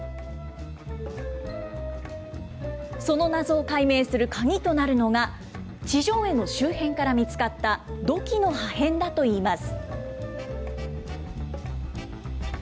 その謎を解明する鍵となるのが、地上絵の周辺から見つかった土器の破片だといいます。